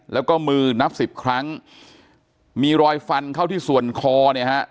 แล้วก็มือนับสิบครั้งมีรอยฟันเข้าที่ส่วนคอเนี่ยฮะ